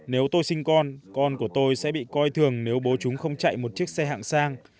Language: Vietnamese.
nếu tôi sinh con con của tôi sẽ bị coi thường nếu bố chúng không chạy một chiếc xe hạng sang